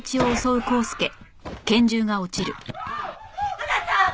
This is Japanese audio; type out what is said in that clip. あなた！